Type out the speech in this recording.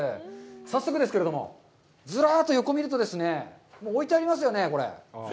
早速ですけれども、ずらっと、横を見ると、置いてありますよね。